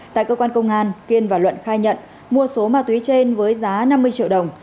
tại cơ quan công an kiên và luận khai nhận mua số ma túy trên với giá năm mươi triệu đồng